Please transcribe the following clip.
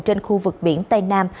trên khu vực biển tây nam